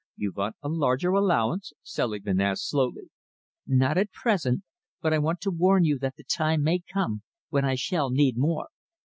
"You want a larger allowance?" Selingman asked slowly. "Not at present, but I want to warn you that the time may come when I shall need more.